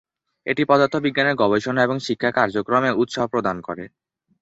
এটি পদার্থবিজ্ঞানের গবেষণা এবং শিক্ষা কার্যক্রমে উৎসাহ প্রদান করে।